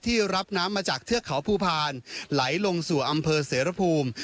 รับน้ำมาจากเทือกเขาภูพาลไหลลงสู่อำเภอเสรภูมิ